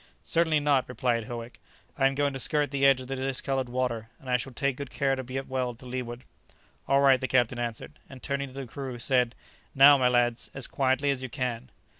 "Certainly not," replied Howick, "I am going to skirt the edge of the discoloured water, and I shall take good care to get well to leeward." "All right," the captain answered, and turning to the crew said, "now, my lads, as quietly as you can."